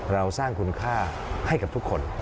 เราสร้างคุณค่าให้กับทุกคน